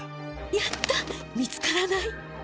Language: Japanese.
やった見つからない！